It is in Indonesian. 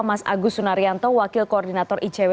mas agus sunaryanto wakil koordinator icw